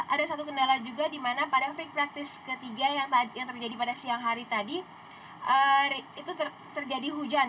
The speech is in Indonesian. ada satu kendala juga di mana pada free practice ketiga yang terjadi pada siang hari tadi itu terjadi hujan